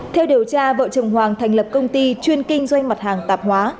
theo điều tra vợ chồng hoàng thành lập công ty chuyên kinh doanh mặt hàng tạp hóa